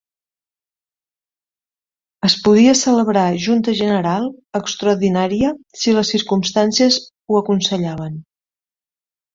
Es podia celebrar Junta General extraordinària si les circumstàncies ho aconsellaven.